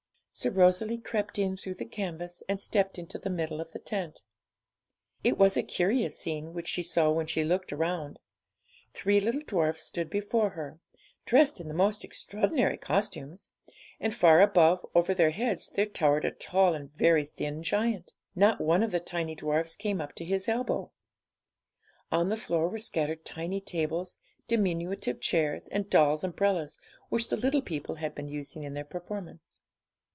So Rosalie crept in through the canvas, and stepped into the middle of the tent. It was a curious scene which she saw when she looked round. Three little dwarfs stood before her, dressed in the most extraordinary costumes, and far above over their heads there towered a tall and very thin giant. Not one of the tiny dwarfs came up to his elbow. On the floor were scattered tiny tables, diminutive chairs, and dolls' umbrellas, which the little people had been using in their performance.